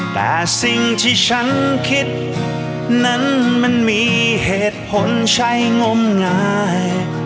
แต่สิ่งที่ฉันคิดนั้นมันมีเหตุผลใช้งมงาย